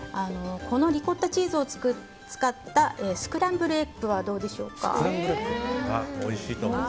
このリコッタチーズを使ったスクランブルエッグはどうでしょうか。